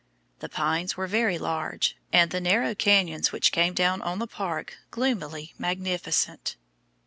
The pines were very large, and the narrow canyons which came down on the park gloomily magnificent.